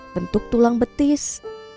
bentuk tulang betis